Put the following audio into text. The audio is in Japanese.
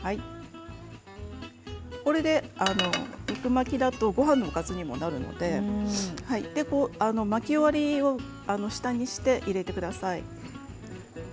肉巻きだと、ごはんのおかずにもなるので巻き終わりを下にして入れてください。